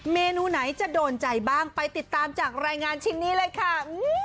เมนูไหนจะโดนใจบ้างไปติดตามจากรายงานชิ้นนี้เลยค่ะ